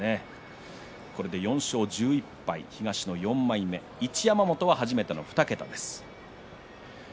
これで４勝１１敗、東の４枚目一山本は初めての２桁です。